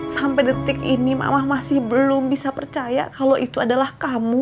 sampai detik ini makmah masih belum bisa percaya kalau itu adalah kamu